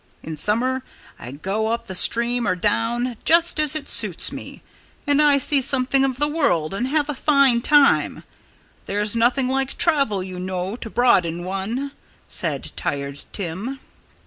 In summer I go up the stream, or down just as it suits me and I see something of the world and have a fine time. There's nothing like travel, you know, to broaden one," said Tired Tim.